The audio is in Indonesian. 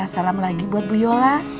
salam lagi buat bu yola